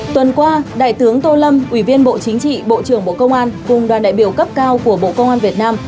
tuần qua đại tướng tô lâm ủy viên bộ chính trị bộ trưởng bộ công an cùng đoàn đại biểu cấp cao của bộ công an việt nam